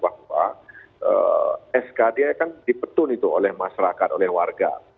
bahwa skd kan dipetun itu oleh masyarakat oleh warga